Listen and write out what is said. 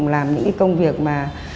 làm những cái công việc mà